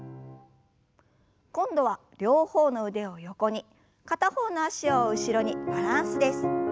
今度は両方の腕を横に片方の脚を後ろにバランスです。